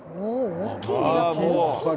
大きいね。